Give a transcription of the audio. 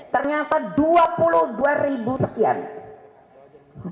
ternyata dua puluh dua ribu sekian